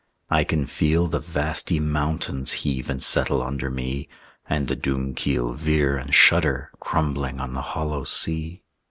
I can feel the vasty mountains Heave and settle under me, And the Doomkeel veer and shudder, Crumbling on the hollow sea.